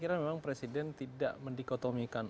kira memang presiden tidak mendikotomikan